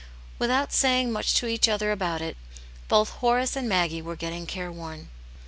Without saying much to each other about it, both Horace and Maggie were getting careworn.